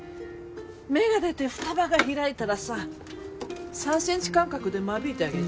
芽が出て双葉が開いたらさ３ｃｍ間隔で間引いてあげて。